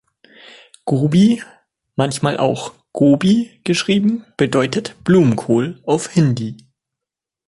„Gobi“, manchmal auch „gohbi“ geschrieben, bedeutet „Blumenkohl“ auf Hindi.